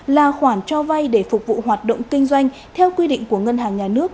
là khoản cho vay để phục vụ hoạt động kinh doanh theo quy định của ngân hàng nhà nước